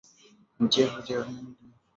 Ba chefu bana lombesha bintu bia kurima nabio